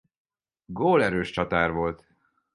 Gólerős csatár volt.